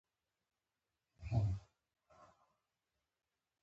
د حاصلاتو دریمه برخه اخیستله.